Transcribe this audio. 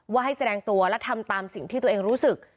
ให้แสดงตัวและทำตามสิ่งที่ตัวเองรู้สึก